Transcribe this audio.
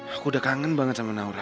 aku udah kangen banget sama naura